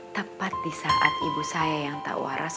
tepat di saat ibu saya yang tak waras